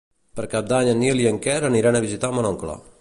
Per Cap d'Any en Nil i en Quer aniran a visitar mon oncle.